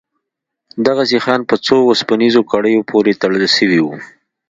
دغه سيخان په څو وسپنيزو کړيو پورې تړل سوي وو.